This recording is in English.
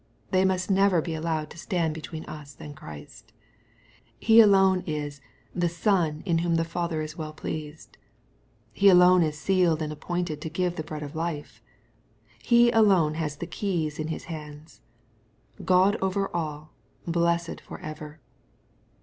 They must never be allowed to stand between us and Christ. He alone is " the Son, in whom the Father is well pleased." He alone is sealed and appointed to give the bread of life. He alone has the keys in His hands, " Q od over all, blessed for ever."